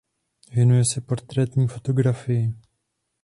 Věnuje se portrétní fotografii.